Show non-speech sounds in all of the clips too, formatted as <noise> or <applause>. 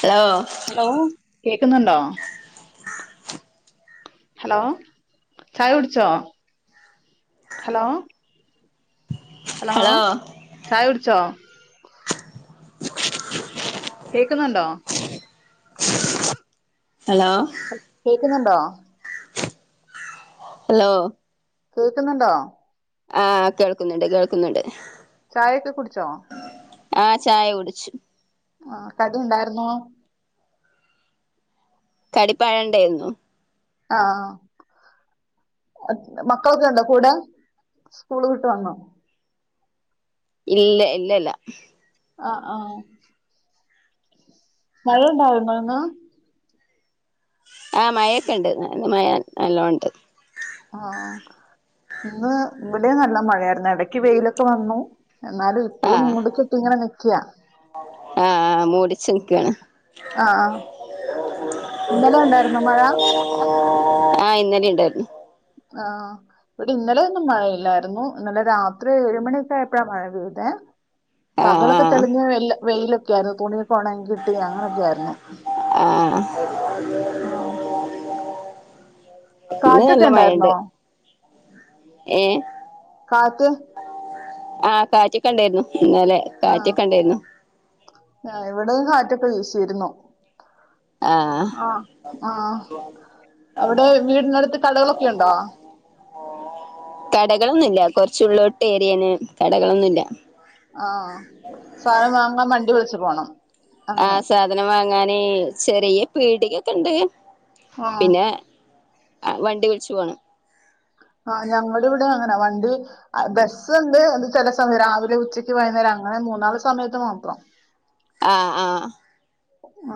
Hello hello കേക്ക്‌ന്നുണ്ടോ hello ചായകുടിച്ചോ hello hello ചായകുടിച്ചോ കേക്ക്‌ന്ന്ണ്ടോ ഹലോ കേക്കുന്നുണ്ടോ ഹലോ കേക്കുന്നുണ്ടോ ആഹ് കേൾക്കുന്നുണ്ട് കേൾക്കുന്നുണ്ട് ചായ ഒക്കെ കുടിച്ചോ ആഹ് ചായ കുടിച്ച് ആഹ് കടി ഇണ്ടായിരുന്നോ കടി പഴം ഇണ്ടായിരുന്നു ആഹ് മക്കളൊക്കെ ഇണ്ടോ കൂടെ സ്കൂള് വിട്ട് വന്നോ ഇല്ലെ ഇല്ല ഇല്ല ആഹ് ആഹ് മഴ ഉണ്ടാര്ന്നോ ഇന്ന് ആഹ് മയൊക്കെണ്ട് ഇന്ന് മയ നല്ലോണം ഉണ്ട് ആഹ് ആഹ് ഇന്ന് ഇവിടേം നല്ല മഴയാരിന്ന് എടക്ക് വെയിലൊക്കെ വന്നു എന്നാലും- ഇപ്പഴും മൂടിക്കെട്ടി ഇങ്ങനെ നിക്ക്ക ആഹ് ആഹ് മൂടിച്ച് നിക്കാണ് ആഹ് മഴ ആഹ് ഇന്നലെ ഇണ്ടായിരുന്നു ആഹ് ഇവിടെ ഇന്നലെയൊന്നും മഴയില്ലായിരുന്നു ഇന്നലെ രാത്രി ഏഴ് മണിയൊക്കെയായപ്പഴാ മഴ പെയ്തെ ആ പകലൊക്കെ തെളിഞ്ഞ ആ വെയിലൊക്കെ ആയിരുന്നു തുണിയൊക്കെ ഒണങ്ങി കിട്ടി അങ്ങനൊക്കെ ആയിരുന്നു ആഹ് ആഹ് ഇന്ന് കാറ്റൊക്കെ ഇണ്ടായിരുന്നോ ഏയെ കാറ്റ് - ആഹ് കാറ്റൊക്കെ ഇണ്ടായ്രുന്നു ഇന്നലെ കാറ്റൊക്കെ ഇണ്ടായിരുന്നു ആഹ് ഇവടെയും കാറ്റൊക്കെ വീശിരുന്നു ആ ആഹ് ആ ഹ് അവടെ വീടിനടുത്ത് കടകളൊക്കെ ഒണ്ടോ കടകളൊന്നുല്ല കൊറച്ചു ഉള്ളോട്ട് ഏരിയാണ് കടകളൊന്നുല്ല ആഹ് സാധനം വാങ്ങാൻ വണ്ടി വിളിച്ചു പോണം അങ്ങനെ ആഹ് സാധനം വാങ്ങാനെ ചെറിയ പീടികയൊക്കെ ഇണ്ട് ആഹ് പിന്നെ വണ്ടി വിളിച്ചു പോണം ആഹ് ഞങ്ങടെ ഇവടെ അങ്ങന വണ്ടി- ബസ് ഒണ്ട് അത് ചെല സമയം രാവിലെ ഉച്ചക്ക് വൈയ്കുന്നേരം അങ്ങനെ മൂന്നാല് സമയത്ത് മാത്രം ആഹ് ആഹ്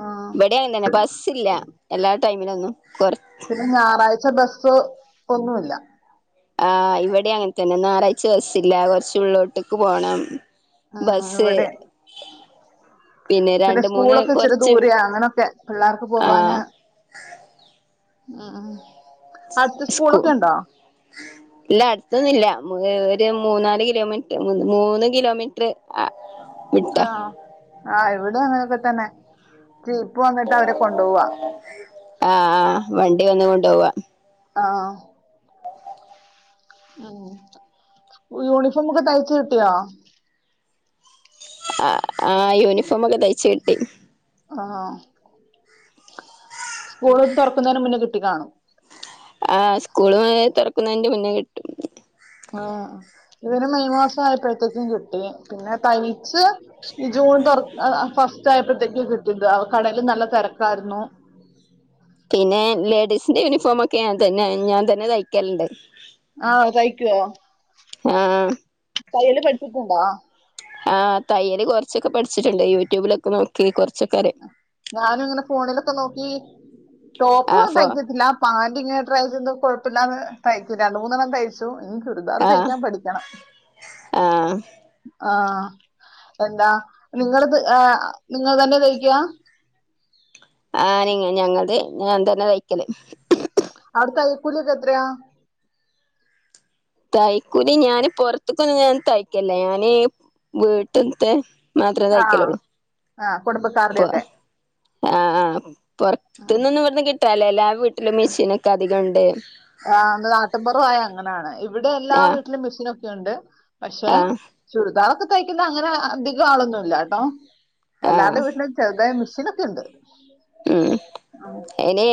ആഹ് ഇവിടേം അങ്ങനെ ബസ്സില്ല എല്ലാ ടൈമിനൊന്നും കൊറ- പിന്നെ ഞായറാഴ്ച ബസ്സ് ഒന്നുയില്ല ആഹ് ഇവിടെ അങ്ങനെ തന്നെ ഞായറാഴ്ച ബസില്ല കൊറച്ച് ഉള്ളിലോട്ടക്ക് പോണം ആഹ് ബസ്സ് ഇവിടെ- പിന്നെ രണ്ട് മൂന്ന് സ്കൂളൊക്കെ ഇച്ചരി കുറച്ച് ദൂരെയ അങ്ങനൊക്കെ പിള്ളേർക്ക് ആ പോവാന് ആഹ് ആഹ് അടുത്ത് സ്കൂ സ്കൂളൊക്കെ ഉണ്ടോ ഇല്ല അടുത്തൊന്നില്ല ഒരു മൂന്നാല് കിലോമീറ്റർ മൂന്ന് കിലോമീറ്റ- മീറ്ററ് വിട്ട ആഹ് ഇവിടെ അങ്ങനെക്കെ തന്നെ ജീപ്പ് വന്നിട്ട് അവരെ കൊണ്ടുപോവാ ആഹ് ആഹ് വണ്ടി വന്ന് കൊണ്ടു പോവാ ആഹ് ഉം യൂണിഫോമൊക്കെ തൈച്ച് കിട്ടിയോ ആ ആ യൂണിഫോമൊക്കെ തയ്ച്ച് കിട്ടി ആ സ്കൂള് തുറക്കുന്നതിന് മുന്നേ കിട്ടി കാണും ആ സ്കൂളും തുറക്കുന്നതിന്റെ മുന്നേ കിട്ടും ആ ഇവര് മെയ് മാസം ആയപ്പോഴത്തേക്കും കിട്ടി പിന്നെ തൈ ച്ച് ജൂൺ തുറ ഫസ്റ്റ് ആയപ്പോഴത്തേക്ക് കിട്ടിയത് കടേൽ നല്ല തിരക്കായിരുന്നു പിന്നെ ലേഡീസിന്റെ യൂണിഫോം ഒക്കെ ഞാൻ തന്നെ ഞാൻ തന്നെ തയ്ക്കലുണ്ട് ആ തയ്ക്കുവോ ആ തയ്യല് പഠിച്ചിട്ടുണ്ടോ ആ തയ്യല് കുറച്ചൊക്കെ പഠിച്ചിട്ടുണ്ട് യൂട്യൂബിലൊക്കെ നോക്കി നോക്കി കുറച്ചൊക്ക ഞാനിങ്ങനെ ഫോണിലൊക്കെ നോക്കി ടോപ്പ് ഒന്നും ആഫോ തയ്ക്കത്തില്ല പാന്റ് ഇങ്ങനെ ട്രൈ ചെയ്ത് കൊഴപ്പില്ലാതെ തയ്ക്കും രണ്ട് മൂന്നെണ്ണം തയ്ച്ചു തൈച്ചു ഇനി ചുരിദാറ് ആഹ് തയിക്കാൻ പഠിക്കണം ആഹ് ആ എന്താ നിങ്ങത് നിങ്ങൾ തന്നെ തയ്ക്കുവ ആ ഞങ്ങളുടെ ഞാൻ തന്നെ തയ്ക്കല് അവിടെ തൈയ്യ കുലിയക്കെത്രയാ തയ്ക്കൂലി ഞാന് പൊറത്തുക്കൊന്നും ഞാൻ തയ്ക്കലില്ല ഞാന് വീട്ട്ത്തെ മാത്രേ ആഹ് തയ്ക്കലുള്ളൂ ആഹ് ഇപ്പ കുടുംബക്കാരുടെയൊക്കെ ആ ആ പൊറത്തുന്നൊന്നും ഇവിടുന്ന് കിട്ടാല്ല എല്ലാ വീട്ടിലും മെഷീനൊക്കെ അധികം ഉണ്ട് ആ നാട്ടിൻപുറായ അങ്ങനെയാണ് ഇവിടെ എല്ലാ ആഹ് വീട്ടിലും മിഷിനൊക്കെയുണ്ട് പക്ഷെ ആഹ് ചുരിദാറക്കെ തയ്ക്കുന്ന അങ്ങനെ അധികം ആളൊന്നും ഇല്ലട്ടോ ആഹ് എല്ലാർടെയും വീട്ടില് ചെറുതായി മിഷൻ നൊക്കെ ഉണ്ട് ഉം ആ. അയിന്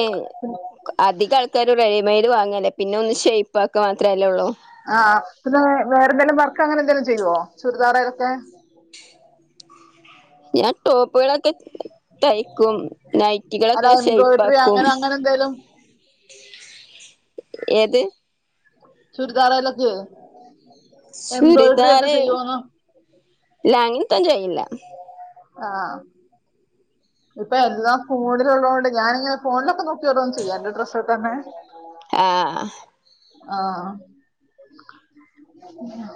അധികം ആൾക്കാരും റെഡിമൈഡ് വാങ്ങല്ലേ പിന്നെ ഒന്ന് ഷേയ്പ്പാക്കാൻ മാത്രയല്ലേ ഉള്ളൂ ആ പിന്നെ വേറെന്തെലും വർക്ക് അങ്ങനെ എന്തെങ്കിലും ചെയ്യുവോ ചുരിദാറെലൊക്കെ <inaudible> ഞാൻ ടോപ്പുകളൊക്കെ തയ്ക്കും അല്ല നൈറ്റികളൊക്കെ എംബ്രോയിഡറി ഷെയ്പ്പാക്കും അങ്ങനെ അങ്ങനെ എന്തേലും ഏത് ചുരിദാറെലൊക്കെ എംബ്രോയ്ഡറി ഒക്കെ ചുരിദാറ് ചെയ്യുവോന്ന് ഇല്ല അങ്ങനത്തെയൊന്നും ചെയ്യില്ല ആ ഇപ്പ എല്ലാം ഫോണില് ഉള്ളതുകൊണ്ട് ഞാനിങ്ങനെ ഫോണിലൊക്കെ നോക്കിയോരൊന്ന് ചെയ്യാം എന്റെ ഡ്രസ്സ് തന്നെ ആ ആഹൺ ഇങ്ങനെ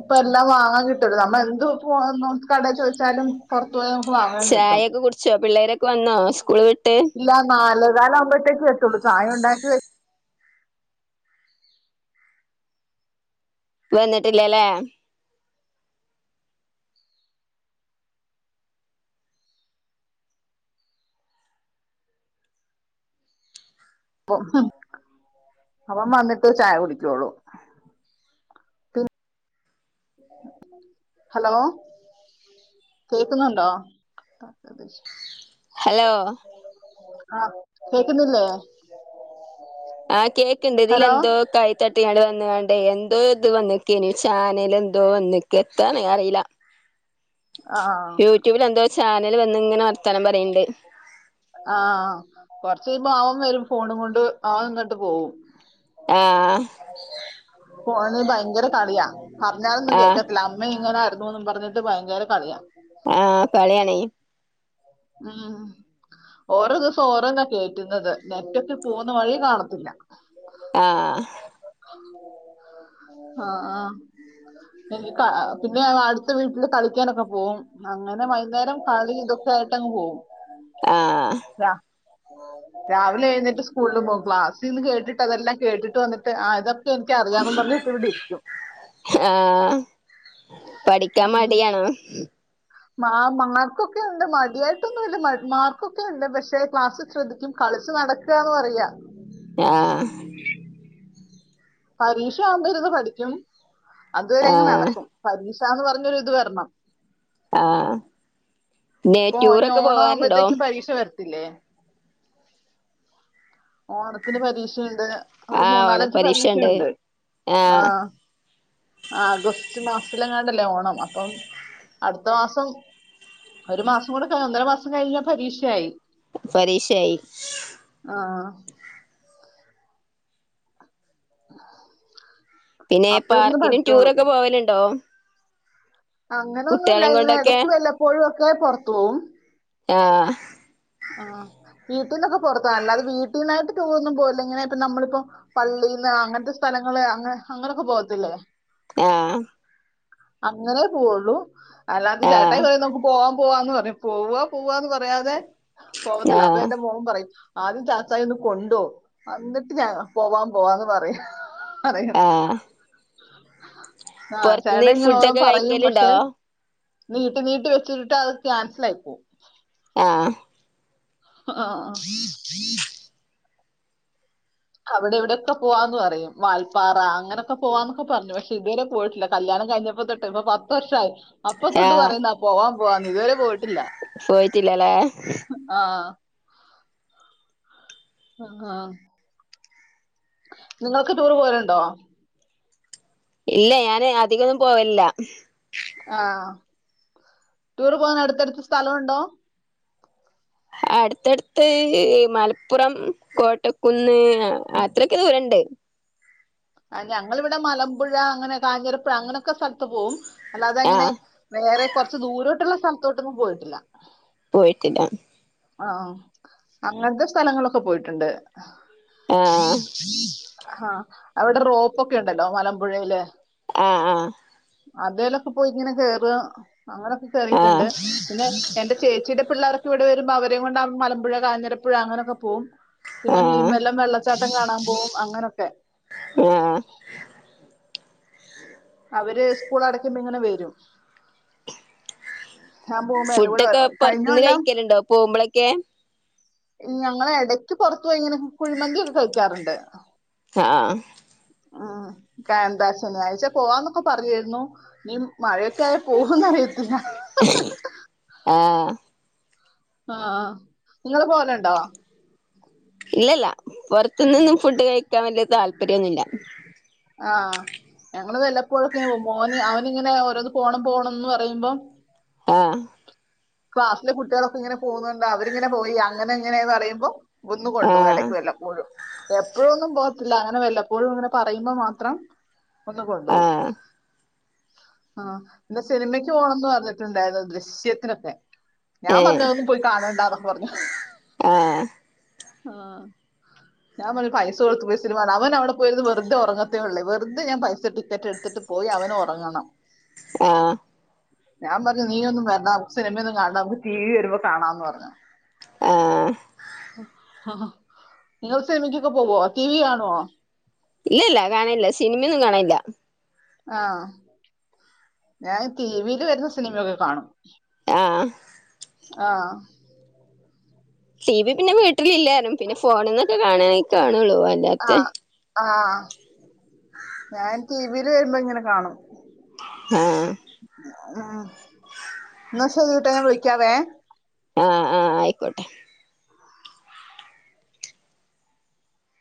ഇപ്പ എല്ലാം വാങ്ങാൻ കിട്ടുള്ളൂ നമ്മള് എന്ത് <unintelligible> കടെ ചോദിച്ചാലും പുറത്ത് പോയി നമുക്ക് വാങ്ങാം ചായൊക്കെ കുടിച്ചോ പിള്ളേരൊക്കെ വന്നോ സ്കൂള് വിട്ട് ഇല്ല നാലെകാല് ആവുമ്പഴത്തേക്കു എത്തുള്ളൂ ചായ ഒണ്ടാക്കി വെ വെന്നിട്ടില്ലാല്ലെ പ്പൊ അവൻ വന്നിട്ടെ ചായ കുടിക്കൂള്ളു ഹലോ കേക്കുന്നുണ്ടോ ഹലോ ആഹ് കേക്കുന്നില്ലേ ആഹ് കേക്കിണ്ട് ഹലോ ഇതിലെന്തോ ക തട്ടിങ്ങാട് വന്ന്കണ്ടേ എന്തോ ഇത് വന്നിക്കേനി ചാനൽ എന്തോ വന്ന്ക്ക് എത്താണ് അറിയില്ല ആഹ് യൂട്യൂബിൽ എന്തോ ചാനൽ വന്നിങ്ങനെ വർത്താനം പറയിണ്ട് ആഹ് കൊറച്ചഴിമ്പോ അവൻ വരും ഫോണും കൊണ്ട് അവന്നിട്ട് പോവും ആഹ് ഫോണിൽ ഭയങ്കര കളിയാ. പറഞ്ഞാലൊന്നും ആഹ് കേക്കത്തില്ല അമ്മേം ഇങ്ങനാര് ന്നൂന്ന് പറഞ്ഞിട്ട് ഭയങ്കര കളിയാ ആഹ് കളിയാണേ ഉം ഓരോ ദിവസം ഓരോന്നാ കേറ്റുന്നത് നെറ്റൊക്കെ പോവുന്ന വഴി കാണത്തില്ല ആഹ് ആഹ് ഇനി ക പിന്നെ അടുത്ത വീട്ടില് കളിക്കാനൊക്കെ പോവും അങ്ങനെ വൈന്നേരം കളി ഇതൊക്കെ ട്ടങ്ങ് പോവും. ആഹ് രാ രാവിലെ എഴ്ന്നേറ്റ് സ്കൂളിൽ പോം. ക്ലാസിന്ന് കേട്ടിട്ടതെല്ലാം കേട്ടിട്ട് വന്നിട്ട് ആഹ് ഇതൊക്കെ എനിക്കറിയാന്ന് പറഞ്ഞിപ്പിവിടിരിക്കും. ഏഹ്. പഠിക്കാൻ ഉം. മടിയാണോ? മാ മാർക്കൊക്കെ ഉണ്ട് മടിയായിട്ടൊന്നുല്ല മാർക്കൊക്കെ ഉണ്ട് പക്ഷെ ക്ലാസ്സിൽ ശ്രദ്ധിക്കും. കളിച്ചു നടക്കാന്ന് പറയാ ആഹ് പരീക്ഷ ആവുമ്പൊ ഇര്ന്ന് പഠിക്കും. അതുവരെങ്ങ് ആഹ് നടക്കും. പരീക്ഷാന്ന് പറഞ്ഞൊരു ഇത് വരണം. ആഹ് നെ ഇപ്പൊ ടൂറൊക്കെ പോവാറുണ്ടോ ഇഞ്ഞോണാവുമ്പത്തേക്കും പരീക്ഷ വര ത്തില്ലേ? ഓണത്തിന് പരീക്ഷയുണ്ട്. ഒരു ആഹ് മൂന്നാലഞ്ച് ഓണപരീക്ഷണ്ട് പരീക്ഷയുണ്ട് ആഹ് ആഹ് ആഗസ്റ്റ് മാസത്തിലെങ്ങാണ്ടല്ലെ ഓണം അപ്പം അടുത്ത മാസം ഒരു മാസം കൂടെക ഒന്നര മാസം കഴിഞ്ഞാ പരീക്ഷയായി പരീക്ഷയായി ആഹ് പിന്നെ അപ്പൊ ഇരുന്ന് പാർക്കിലും പഠിച്ചോളും ടൂറൊക്കെ പോവല്ണ്ടോ? അങ്ങനെ ഒന്നൂല്ല. ഇങ്ങനെ കൊണ്ടൊക്കെ എടക്ക് വല്ലപ്പോഴു ഒക്കെ പൊറത്ത് പോവും ആഹ് ആഹ് വീട്ടീന്റൊക്കെ പൊറത്താ. അല്ലാതെ വീട്ടീന്നായിട്ട് ടൂറൊന്നും പോവുല്ല ഇങ്ങനേ ഇപ്പം നമ്മളിപ്പം പള്ളീന്നാ അങ്ങൻത്തെ സ്ഥലങ്ങള് അങ്ങനെ അങ്ങനൊക്കെ പോകത്തില്ലെ ആഹ് അങ്ങനെ പോവുള്ളു. അല്ലാതെ ആഹ് ചേട്ടായ് പറയ്യും നമക്ക് പോവാം പോവാന്ന് പറയും പോവ പോവാന്ന് പറയാതെ പോവത്തില്ല അപ്പൊ ആഹ് എന്റെ മോൻ പറയും ആദ്യം ചാച്ചായൊന്ന് കൊണ്ടോ എന്നിട്ട് ഞാ പോവാം പോവാന്ന് പറയ് പറയും ആ പൊറത്ത്ന്ന് ചേട്ടൻ ഇങ്ങനെ ഓരോ ഫുഡൊക്കെ പറയും കഴിക്കെല്ണ്ടോ? പക്ഷെ നീട്ടി നീട്ടി വെച്ചിട്ട് അത് ക്യാൻസലായി പോവും. ആഹ് ആഹ് അവിടെയിവിടൊക്കെ പോവാന്ന് പറയും. വാൽപ്പാറ അങ്ങനൊക്കെ പോവാന്നൊക്കെ പറഞ്ഞു പേഷേയിതുവരെ പോയിട്ടില്ല കല്യാണം കയിഞ്ഞപ്പൊ തൊ ട്ട് ഇപ്പൊ പത്ത് വർഷായി. അപ്പൊതൊട്ട് പറയുന്നാ പോവാം പോവാന്ന് ഇതുവരെ പോയിട്ടില്ല. പോയിട്ടില്ലലേ ആഹ് അ ഹാ നിങ്ങൾക്ക് ടൂറ് പോവല്ണ്ടോ? ഇല്ല. ഞാന് അധികൊന്നും പോവലില്ല. ആഹ്. ടൂർ പോകാനടുത്തടുത്ത് സ്ഥലവുണ്ടോ? അടുത്തട്ത്ത് മലപ്പുറം, കോട്ടക്കുന്ന് അത്രൊക്കെ ദൂരണ്ട്. ആഹ് ഞങ്ങളിവിട മലമ്പുഴ അങ്ങനെ കാഞ്ഞിരപ്പുഴ അങ്ങനൊക്കെ സ്ഥ ത്ത് പോവും. അല്ലാത അങ്ങനെ ആഹ് വേറെ കൊറച്ച് ദൂരോട്ടുള്ള സ്ഥലത്തോട്ടൊന്നും പോയിട്ടില്ല. പോയിട്ടില്ല അഹ് ആഹ് അങ്ങൻത്തെ സ്ഥലങ്ങളിലൊക്കെ പോയിട്ട്ണ്ട് ആഹ് ഹാ അവിടെ റോപ്പ് ഒക്കെ ഉണ്ടല്ലോ മലമ്പുഴയില് ആഹ് ആഹ് അതേലൊക്കെ പോയി ഇങ്ങനെ കേറും അങ്ങനൊക്കെ ആഹ് കേറിയിട്ട്ണ്ട് ആഹ് പിന്നെ എന്റെ ചേച്ചിയുടെ പിള്ളേർ ഇവിടെ വരുമ്പോ അവരേം കൊണ്ട് അ മലമ്പുഴ കാഞ്ഞിരപ്പുഴ അങ്ങനൊക്കെ പോവും പിന്നെ മീൻ ആഹ് വെല്ലം വെള്ളച്ചാ ച്ചാട്ടം കാണാൻ പോവും അങ്ങനൊക്കെ ആഹ് <inaudible> അവര് സ്കൂളടക്കുമ്പോ ഇങ്ങനെ വെരും ഞാൻ പോമ്പോ എന്റെ കൂടെ ഫുഡൊക്കെ പൊറത്തുന്ന് കയിഞ്ഞൊല്ലം കഴിക്കലുണ്ടോ പോകുമ്പളൊക്കെ ഞങ്ങളെടയ്ക്ക് പൊറത്ത് പോയി ഇങ്ങനെ കുഴിമന്തി ഇട്ത്ത് കയിക്കാറുണ്ട് ആഹ് <unintelligible> ശനിയാഴ്ച പോവാന്നൊക്കെ പറഞ്ഞിരുന്നു ഇനി മഴയൊക്കെ പോവൊന്നറിയത്തില്ല ആഹ് ആഹ് ഇങ്ങള് പോവല്ണ്ടോ ഇല്ലല്ല പൊറത്ത്ന്നൊന്നും ഫുഡ് കഴിക്കാൻ വല്യ താല്പര്യോന്നില്ല ആഹ് ഞങ്ങള് വെല്ലപ്പോഴൊക്കിങ്ങനെ പോവും മോന് അവനിങ്ങനെ ഓരോന്ന് പോണം പോണംന്ന് പറയുമ്പോം ആഹ് ക്ലാസ്സിലെ കുട്ട്യാളൊക്കെ ഇങ്ങനെ പോന്നുണ്ട് അവരിങ്ങെനെ പോയി അങ്ങനെ ഇങ്ങനെന്നറയുമ്പോ ഒന്ന് കൊണ്ടു പോവും ആഹ് എടയ്ക്ക് വെല്ലപ്പോഴും എപ്പോഴൊന്നും പോകത്തില്ല അങ്ങനെ വെല്ലപ്പോഴും ഇങ്ങനെ പറയുമ്പോ മാത്രം ഒന്ന് കൊണ്ട് പോവും ആഹ് ആഹ് പിന്നെ സിനിമയ്ക്ക് പോണംന്ന് പറഞ്ഞിട്ടുണ്ടായിരുന്നു ദൃശ്യത്തിനൊക്കെ ഞാൻ പറഞ്ഞു ഏഹ് അതൊന്നും പോയി കാണണ്ടാന്നൊക്കെ പറഞ്ഞു ആഹ് ആഹ് ഞാൻ പറഞ്ഞു പൈസ കൊടുത്ത് ‌പോയി സിനിമ കാണാൻ അവൻ അവിടെ പോയിര്ന്ന് വെർതെ ഉറങ്ങത്തേള്ളൂ വെർതെ ഞാൻ പൈസ ടിക്കറ്റെടുത്തിട്ട് പോയി അവനൊറങ്ങണം ആഹ് ഞാൻ പറഞ്ഞ് നീയൊന്നും വരണ്ട നമുക്ക് സിനിമയൊന്നും കാണണ്ട നമുക്ക് ടീവീ വരുമ്പോ കാണാംന്ന് പറഞ്ഞ് ആഹ് ആഹ് നിങ്ങള് സിൻമക്കൊക്കെ പോവോ ടീവി കാണോ ഇല്ലല്ല കാണലില്ല സിനിമയൊന്നും കാണലില്ല ആഹ് ഞാൻ ടീവീല് വര്ന്ന സിനിമയൊക്കെ കാണും ആഹ് ആഹ് ടീ വി പിന്ന വീട്ടിലില്ലാരും പിന്നെ ഫോണിന്നൊക്കെ കാണാണെൽ കാണുള്ളൂ അല്ലാത്തെ ആഹ് ആഹ് ഞാൻ ടീവീല് വരുമ്പോ ഇങ്ങനെ കാണും ആഹ് ഉം ഇന്ന ശെരി കേട്ടാ ഞാൻ വിളിക്കാവേ ആഹ് ആഹ് അയിക്കോട്ടെ